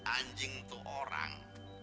anjing itu orang